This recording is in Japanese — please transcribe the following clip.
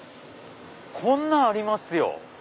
こんなんありますよ！